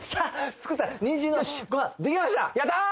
作ったニンジンのご飯できましたやったー！